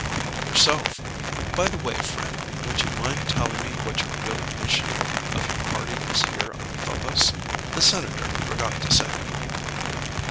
"Help yourself. By the way, friend, would you mind telling me what your real mission of your party is here on Phobos. The Senator forgot to say."